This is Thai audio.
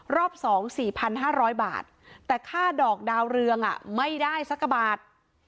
รอบสองสี่พันห้าร้อยบาทแต่ค่าดอกดาวเรืองอ่ะไม่ได้สักกระบาท